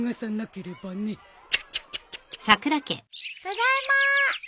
ただいま！